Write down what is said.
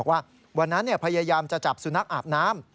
ว่าวันนั้นพยายามจะจับสุนัขอาบน้ำ